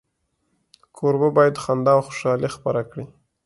کوربه باید خندا او خوشالي خپره کړي.